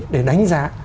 để đánh giá